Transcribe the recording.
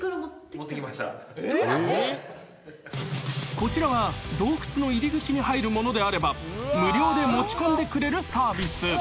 ［こちらは洞窟の入り口に入るものであれば無料で持ち込んでくれるサービス］